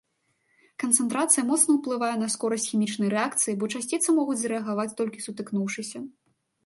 Канцэнтрацыя моцна ўплывае на скорасць хімічнай рэакцыі, бо часціцы могуць зрэагаваць толькі сутыкнуўшыся.